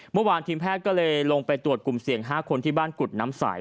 เมื่อวานทีมแพทย์ก็เลยลงไปตรวจกลุ่มเสี่ยง๕คนที่บ้านกุฎน้ำใส